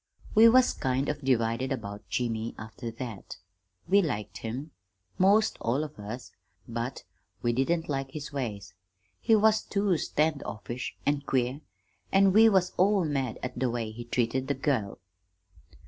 "We was kind of divided about Jimmy, after that. We liked him, 'most all of us, but we didn't like his ways. He was too stand offish, an' queer, an' we was all mad at the way he treated the girl.